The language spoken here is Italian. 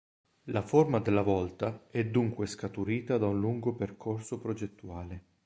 La forma della volta è dunque scaturita da un lungo percorso progettuale.